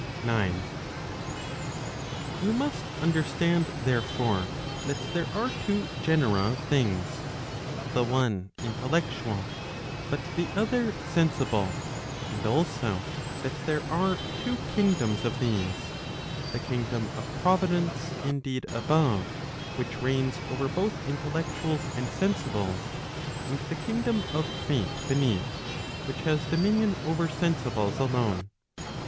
9. You must understand therefore, that there are two genera of things, the one intellectual, but the other sensible, and also that there are two kingdoms of these, the kingdom of Providence indeed above, which reigns over both intellectuals and sensibles, and the kingdom of Fate beneath, which has dominion over sensibles alone.